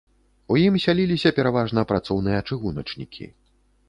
У ім сяліліся пераважна працоўныя-чыгуначнікі.